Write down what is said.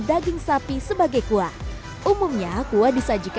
daging sapi sebagai kuah umumnya kuah disajikan